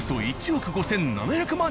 １億５７００万。